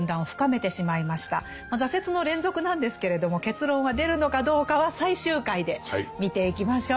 挫折の連続なんですけれども結論は出るのかどうかは最終回で見ていきましょう。